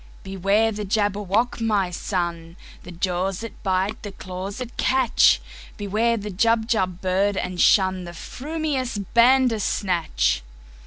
"Beware the Jabberwock, my son! The jaws that bite, the claws that catch! Beware the Jubjub bird, and shunThe frumious Bandersnatch!"